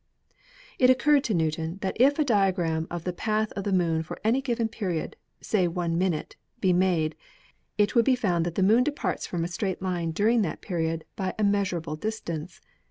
It occurred to Newton that if a diagram of the path of the Moon for any given period, say one minute, be made, it would be found that the Moon departs from a straight line during that period by a measurable distance.